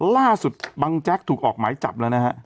ล่าสุดบังแจ๊กถูกออกหมายจับแล้วนะฮะ